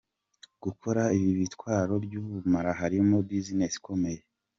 Gukora ibi bitwaro by’ubumara harimo business ikomeye.